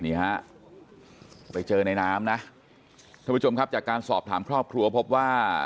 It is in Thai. นี่ฮะไปเจอในน้ำนะท่านผู้ชมครับจากการสอบถามครอบครัวพบว่า